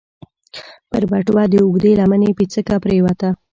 پر بټوه د اوږدې لمنې پيڅکه پرېوته.